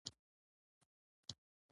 زندانونه یې ورڅخه جوړ کړل.